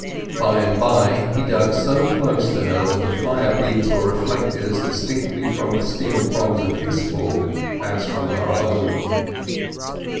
By and by he dug so close to her that the fire beams were reflected as distinctly from the steel prongs of his fork as from her own.